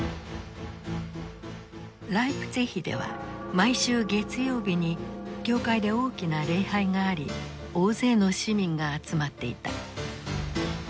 ライプツィヒでは毎週月曜日に教会で大きな礼拝があり大勢の市民が集まっていた。